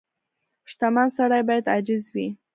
• شتمن سړی باید عاجز وي.